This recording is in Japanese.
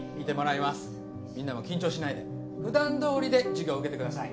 みんなは緊張しないで普段どおりで授業受けてください。